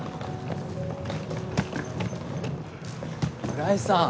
村井さん！